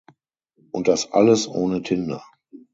Und das alles ohne Tinder!